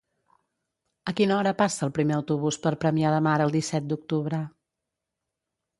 A quina hora passa el primer autobús per Premià de Mar el disset d'octubre?